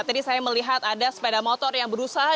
tadi saya melihat ada sepeda motor yang berusaha